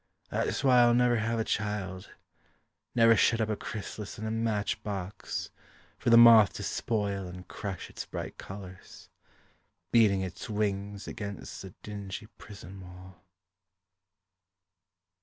That's why I'll never have a child, Never shut up a chrysalis in a match box For the moth to spoil and crush its brght colours, Beating its wings against the dingy prison wall.